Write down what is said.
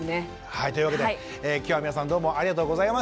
はいというわけで今日は皆さんどうもありがとうございました。